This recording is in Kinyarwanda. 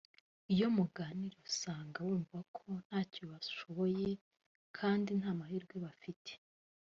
iyo muganiriye usanga bumva ko ntacyo bashoboye kandi nta mahirwe bafite